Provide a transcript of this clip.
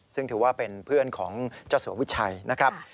ซึ่งถือว่าเป็นเพื่อนของเจ้าสัววิชัยนะครับ